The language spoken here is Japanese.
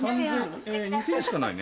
２０００円しかないね。